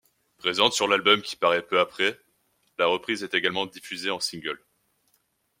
Présente sur l'album qui parait peu après, la reprise est également diffusée en single.